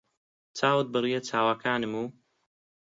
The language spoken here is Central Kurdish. چاوت بڕیە چاوەکانم و